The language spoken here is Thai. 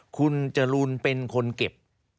คุณจรูนเป็นคนเก็บ